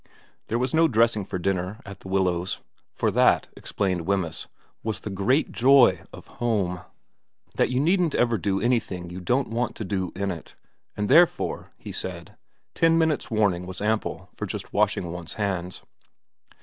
There was no dressing for dinner at The Willows, for that, explained Wemyss, was the great joy of home, xsv VERA 275 that you needn't ever do anything you don't want to in it, and therefore, he said, ten minutes' warning was ample for just washing one's hands.